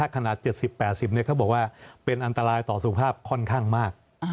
คณะ๗๐๘๐เป็นอันตรายต่อสัวผ่าพค่อนข้างมาก